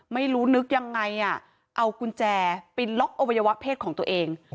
ไม่รู้นึกยังไงอ่ะเอากุญแจไปล็อกอวัยวะเพศของตัวเอง